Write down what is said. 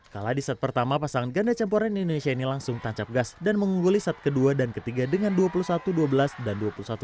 kalah di set pertama pasangan ganda campuran indonesia ini langsung tancap gas dan mengungguli set kedua dan ketiga dengan dua puluh satu dua belas dan dua puluh satu dua belas